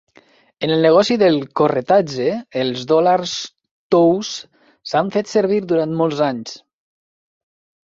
En el negoci del corretatge, els dòlars tous s'han fet servir durant molts anys.